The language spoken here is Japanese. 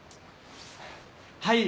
はい。